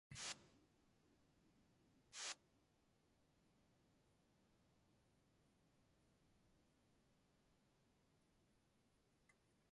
Natiġmun iḷigai maqpiġaat.